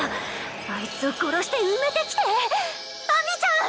あいつを殺して埋めてきて秋水ちゃん！